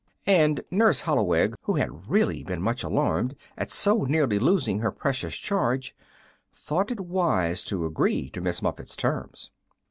And Nurse Holloweg, who had really been much alarmed at so nearly losing her precious charge, thought it wise to agree to Miss Muffet's terms.